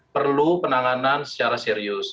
perlu penanganan secara serius